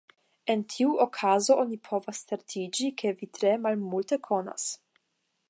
En tiu okazo, oni povas certiĝi ke vi tre malmulte konas.